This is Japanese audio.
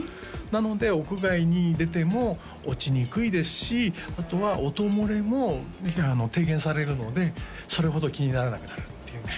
なので屋外に出ても落ちにくいですしあとは音漏れも低減されるのでそれほど気にならなくなるっていうね